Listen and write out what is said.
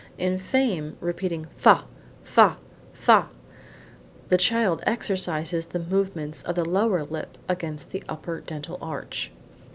In fame repeating fa, fa, fa, the child exercises the movements of the lower lip against the upper dental arch.